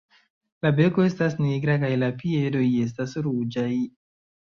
La beko estas nigra kaj la piedoj estas ruĝaj.